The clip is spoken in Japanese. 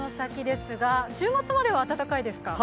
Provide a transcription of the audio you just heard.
週末までは暖かいですか？